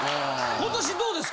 今年どうですか？